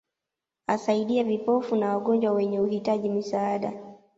Asaidia vipofu na wagonjwa wenye kuhitaji misaada